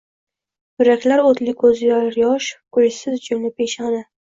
Yuraklar oʻtli koʻzlar yosh, kulishsiz jumla peshoni